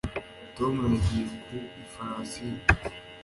tom yagiye ku ifarashi ye